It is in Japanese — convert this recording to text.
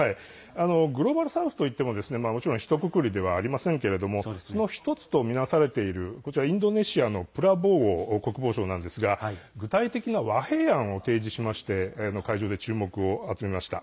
グローバル・サウスといってももちろんひとくくりではありませんがその１つとみられているインドネシアのプラボウォ国防相ですが具体的な和平案を提示しまして会場で注目を集めました。